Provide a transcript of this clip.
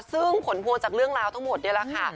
ซึ่งผลพวงจากเรื่องราวทั้งหมดนี่แหละค่ะ